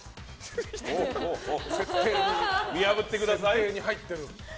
設定に入ってる。